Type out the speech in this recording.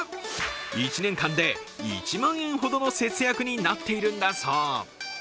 １年間で１万円ほどの節約になっているんだそう。